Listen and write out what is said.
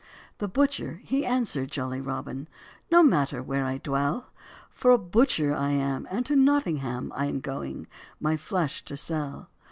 The butcher he answer'd jolly Robin, "No matter where I dwell; For a butcher I am, and to Nottingham I am going, my flesh to sell."